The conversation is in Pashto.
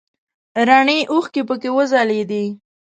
رڼې اوښکې پکې وځلیدې.